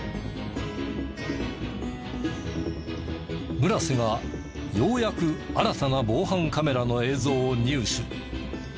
村瀬がようやく新たな防犯カメラの映像を入手。